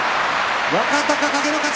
若隆景の勝ち。